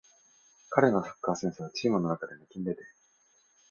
彼のサッカーセンスはチームの中で抜きんでてる